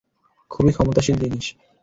খুবই ক্ষমতাশালী জিনিস।